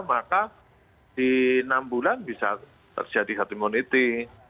maka di enam bulan bisa terjadi hati moniti